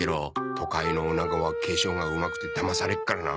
都会のオナゴは化粧がうまくてだまされっからな。